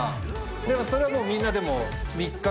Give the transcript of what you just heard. でもそれはもうみんな。